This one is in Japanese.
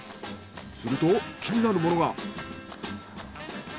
すると気になるものが。